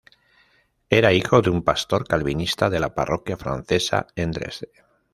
Era hijo de un pastor calvinista de la parroquia francesa en Dresde.